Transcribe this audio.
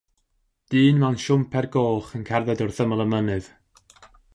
Dyn mewn siwmper goch yn cerdded wrth ymyl y mynydd.